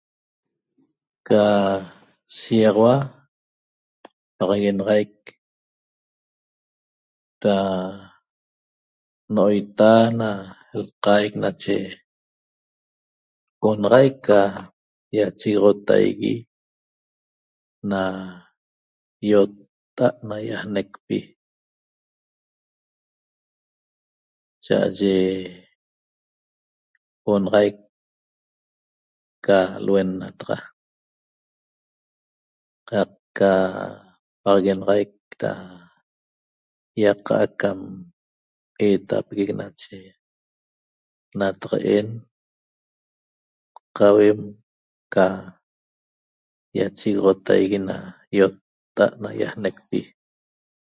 Ca shigaxaua paxaguenaxaic ra no'oita na lqaic nache onaxaic ca iachegoxotaigui na iotta'at naiaanecpi cha'aye onaxaic ca lhuennataxa qaq ca pagaxaguenaxaic ra iaca'a cam etapegue' nache nataqa'en qauem ca iachegoxotaigui na yotta'at naiaanecpi